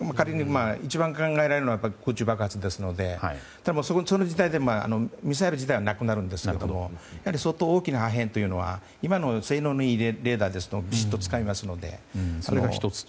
一番考えられるのは空中爆発ですのでその時点でサイル自体はなくなるんですがやはり相当大きな破片というのは今の性能のいいレーダーだとつかめますので。